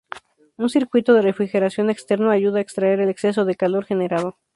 Un circuito de refrigeración externo ayuda a extraer el exceso de calor generado.